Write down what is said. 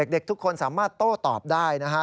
เด็กทุกคนสามารถโต้ตอบได้นะฮะ